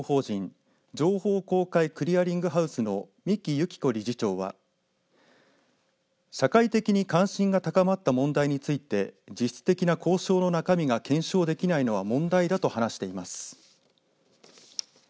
クリアリングハウスの三木由希子理事長は社会的に関心が高まった問題について実質的な交渉の中身が検証できないのは問題だと話しています。